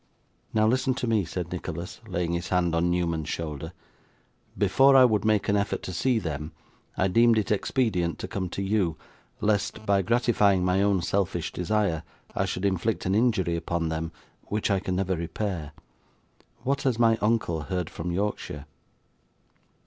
'Now listen to me,' said Nicholas, laying his hand on Newman's shoulder. 'Before I would make an effort to see them, I deemed it expedient to come to you, lest, by gratifying my own selfish desire, I should inflict an injury upon them which I can never repair. What has my uncle heard from Yorkshire?